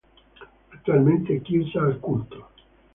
Attualmente è chiusa al culto.